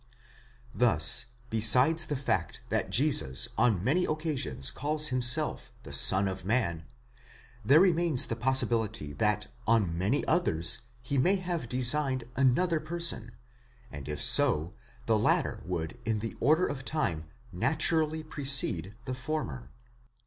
Thus besides the fact that Jesus on many occasions called himself the Son of Man, there remains the possibility that on many others, he may have designed another person; and if so, the latter would in the order of time naturally precede the former.